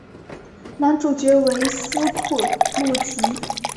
男主角为斯库路吉。